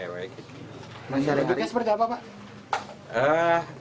bagaimana sepertinya pak